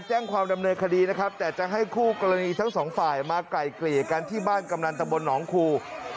แจ้งความดำเนินคดีนะครับแต่จะให้คู่กรณีทั้งสองฝ่ายมาไกล่เกลี่ยกันที่บ้านกำนันตะบนหนองคู